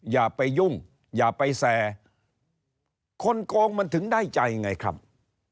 อย่าไปยุ่งอย่าไปแซร์คนโกงมันถึงได้ใจไงครับ